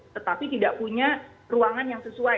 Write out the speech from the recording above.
tetapi tidak punya ruangan yang sesuai